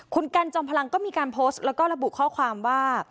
คุณกันจอมพลังก็มีการโพสต์แล้วก็ระบุข้อความว่า